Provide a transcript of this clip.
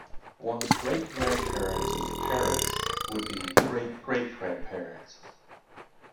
One's great-grandparent's parents would be "great-great-grandparents".